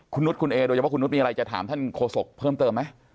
คุณนุษย์คุณเอโดยเฉพาะคุณนุษย์มีอะไรจะถามท่านโฆษกเพิ่มเติมไหม